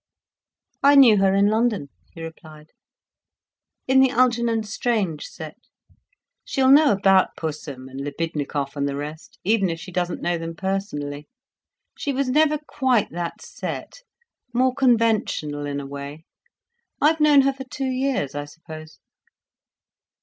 "I knew her in London," he replied, "in the Algernon Strange set. She'll know about Pussum and Libidnikov and the rest—even if she doesn't know them personally. She was never quite that set—more conventional, in a way. I've known her for two years, I suppose."